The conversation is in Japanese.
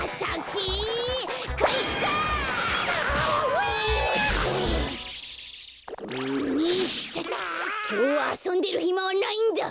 きょうはあそんでるひまはないんだ。